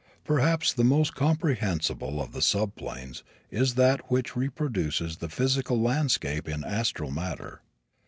Perhaps the most comprehensible of the subplanes is that which reproduces the physical landscape in astral matter.